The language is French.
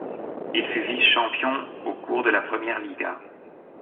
Il fut vice-champion au cours de la première Liga.